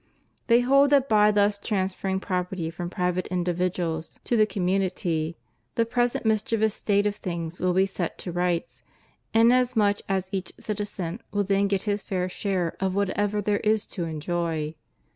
They hold that by thus transferring property from private individuals 210 CONDITION OF THE WORKING CLASSES. to the community, the present mischievous state of things will be set to rights, inasmuch as each citizen will then get his fair share of whatever there is to enjoy.